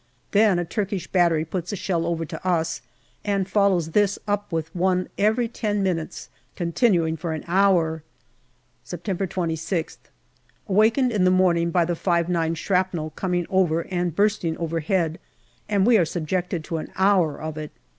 Then a Turkish battery puts a shell over to us, and follows this up with one every ten minutes, continuing for an hour ! September 26th. Awakened in the morning by the 5 9 shrapnel coming over and bursting overhead, and we are subjected to an hour of it.